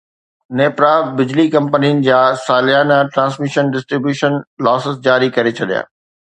نيپرا بجلي ڪمپنين جا سالياني ٽرانسميشن ڊسٽري بيوشن لاسز جاري ڪري ڇڏيا